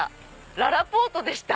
ららぽーとでした。